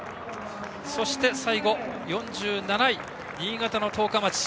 そして最後、４７位に新潟の十日町。